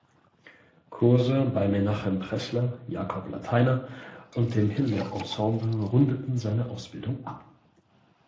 Kurse bei Menahem Pressler, Jacob Lateiner und dem Hilliard Ensemble rundeten seine Ausbildung ab.